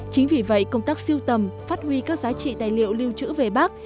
chính vì vậy công tác siêu tầm phát huy các giá trị tài liệu lưu trữ về bác